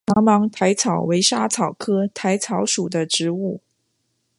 长芒薹草为莎草科薹草属的植物。